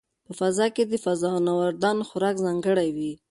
په فضا کې د فضانوردانو خوراک ځانګړی وي.